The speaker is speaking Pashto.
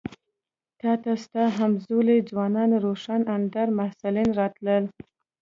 تا ته ستا همزولي ځوانان روښان اندي محصلین راتلل.